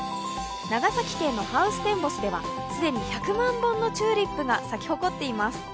長崎県のハウステンボスでは既に１００万本のチューリップが咲き誇っています。